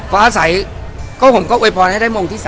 ฟ้าสัยก็ผมเวย์พรให้ได้มงค์ที่๓